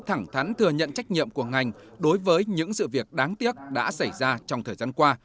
thẳng thắn thừa nhận trách nhiệm của ngành đối với những sự việc đáng tiếc đã xảy ra trong thời gian qua